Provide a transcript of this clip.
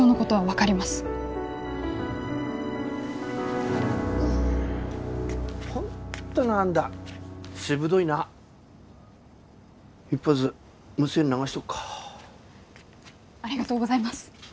ありがとうございます！